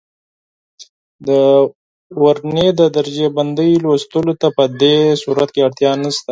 د ورنیې د درجه بندۍ لوستلو ته په دې صورت کې اړتیا نه شته.